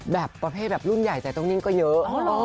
แบบประเภทแบบรุ่นใหญ่ใส่ตรงนิ่งก็เยอะ